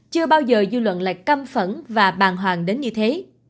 chưa bao giờ dư luận lại căm phẫn và bàng hoàng đến như thế